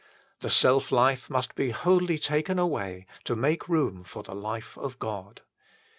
The self life must be wholly taken away to make room for the life of God.